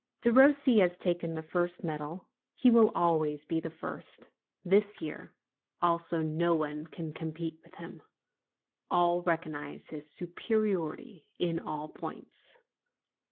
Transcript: Derossi has taken the first medal ; he will always be the first. This year also no one can compete with him; all recognize his superiority in all points.